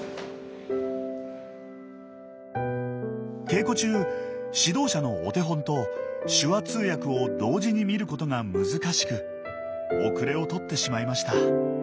稽古中指導者のお手本と手話通訳を同時に見ることが難しく後れを取ってしまいました。